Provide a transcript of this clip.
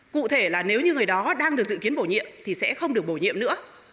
cụ thể là nếu như người đó đang được dự kiến bổ nhiệm thì sẽ không được bổ nhiệm nữa